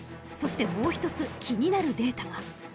［そしてもう一つ気になるデータが］